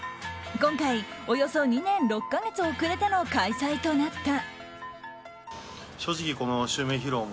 今回、およそ２年６か月遅れての開催となった。